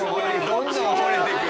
どんどん掘れてく！